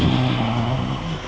iya tahan tahan